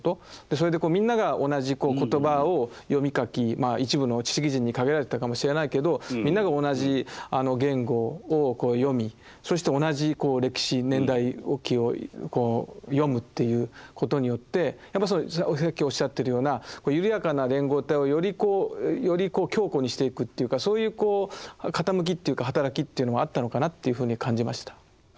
それでみんなが同じ言葉を読み書きまあ一部の知識人に限られてたかもしれないけどみんなが同じ言語を読みそして同じ歴史年代記を読むっていうことによってやっぱりさっきおっしゃってるような緩やかな連合体をよりこう強固にしていくっていうかそういうこう傾きっていうか働きというのもあったのかなというふうに感じました。